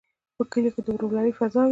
په کلیو کې د ورورولۍ فضا وي.